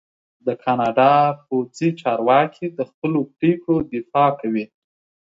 د کاناډا پوځي چارواکي د خپلو پرېکړو دفاع کوي.